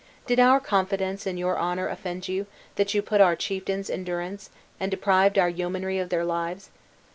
Did our confidence in your honor offend you, that you put our chieftains in durance, and deprived our yeomanry of their lives?